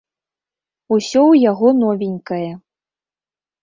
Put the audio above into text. Усё ў яго новенькае.